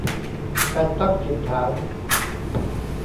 การตั้งถิ่นฐาน